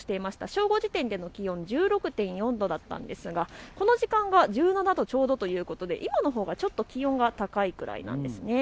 正午時点での気温１６．４度だったのですがこの時間が１７度ちょうどということで今のほうがちょっと気温が高いくらいです。